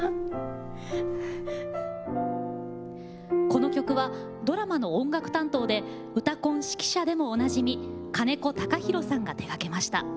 この曲は、ドラマの音楽担当で「うたコン」指揮者でもおなじみ金子隆博さんが手がけました。